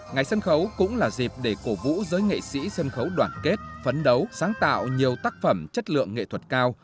ngày sân khấu cũng là dịp để cổ vũ giới nghệ sĩ sân khấu đoàn kết phấn đấu sáng tạo nhiều tác phẩm chất lượng nghệ thuật cao